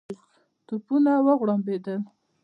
توپونه وغړومبېدل.